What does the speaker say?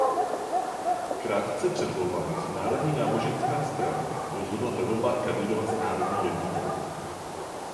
Krátce před volbami se Národní náboženská strana rozhodla ve volbách kandidovat s Národní jednotou.